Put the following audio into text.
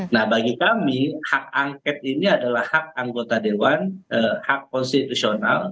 nah bagi kami hak angket ini adalah hak anggota dewan hak konstitusional